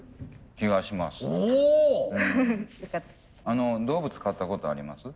あの動物飼ったことあります？